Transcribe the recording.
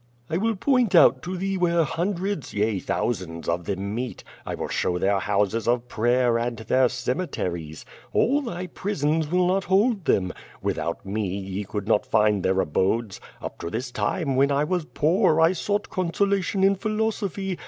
I will point out to thee where hundreds, yea, thousands of them meet. I will show their houses of prayer, and their cemeteries. All thy prisons Avill not hold them. Without me ye could not find their abodes. Up to this time, when I was poor, I sought consola tion in philosophy.